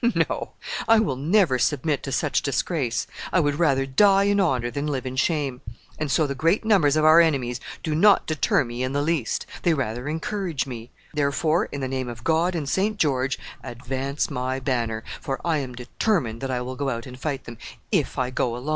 No, I will never submit to such disgrace. I would rather die in honor than live in shame; and so the great numbers of our enemies do not deter me in the least; they rather encourage me; therefore, in the name of God and St. George, advance my banner, for I am determined that I will go out and fight them, if I go alone."